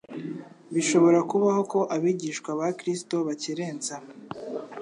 Bishobora kubaho ko abigishwa ba Kristo bakerensa